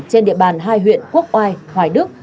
trên địa bàn hai huyện quốc oai hoài đức